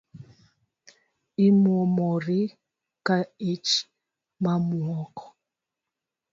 Imuomori ka ich mamwuok